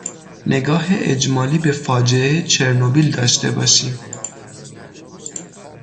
نگاه اجمالی به فاجعه چرنوبیل داشته باشیم